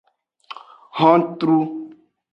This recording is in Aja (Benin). Hontru.